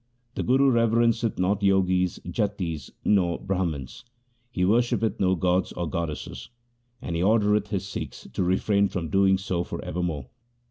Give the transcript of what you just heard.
The Guru reverenceth not Jogis, Jatis, or Brahmans. He worshippeth no gods or goddesses, and he ordereth his Sikhs to refrain from doing so for ever more.